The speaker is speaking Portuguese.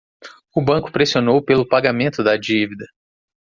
O banco pressionou pelo pagamento da dívida.